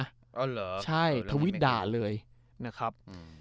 อ๋อเหรอใช่ทวิตด่าเลยนะครับ